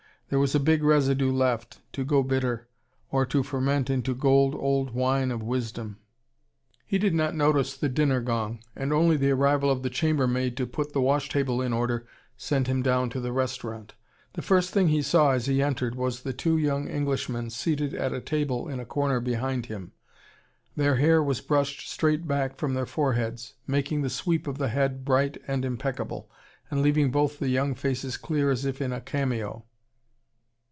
There was a big residue left, to go bitter, or to ferment into gold old wine of wisdom. He did not notice the dinner gong, and only the arrival of the chamber maid, to put the wash table in order, sent him down to the restaurant. The first thing he saw, as he entered, was the two young Englishmen seated at a table in a corner just behind him. Their hair was brushed straight back from their foreheads, making the sweep of the head bright and impeccable, and leaving both the young faces clear as if in cameo.